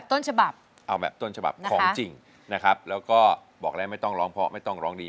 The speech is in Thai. ต้นฉบับเอาแบบต้นฉบับของจริงนะครับแล้วก็บอกแล้วไม่ต้องร้องเพราะไม่ต้องร้องดี